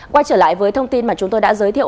quay trở lại với thông tin mà chúng tôi đã giới thiệu